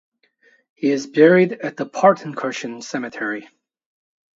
He is buried at the Partenkirchen cemetery.